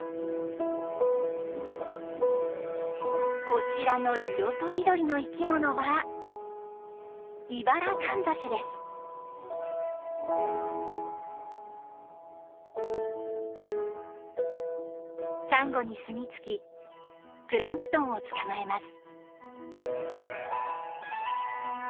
こちらの色とりどりの生き物はサンゴに住み着きプランクトンを捕まえます。